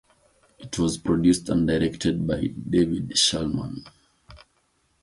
It was produced and directed by David Shulman.